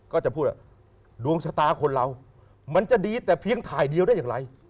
ก็จะพูดว่าดวงชะตาคนเรามันจะดีแต่เพียงถ่ายเดียวได้อย่างไร